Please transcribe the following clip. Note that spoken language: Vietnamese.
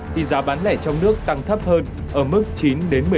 thì giá bán lẻ trong nước tăng thấp hơn ở mức chín đến một mươi một